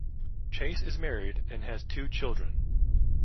Chase is married and has two children.